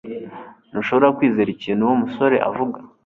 ntushobora kwizera ikintu uwo musore avuga